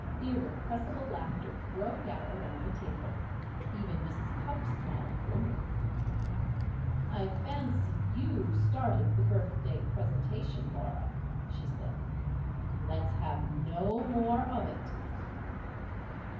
Irrepressible laughter broke out around the table. Even Mrs. Cupp smiled grimly. "I fancy you started the birthday presentation, Laura," she said. "Let us have no more of it."